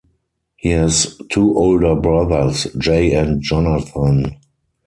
He has two older brothers, Jay and Jonathan.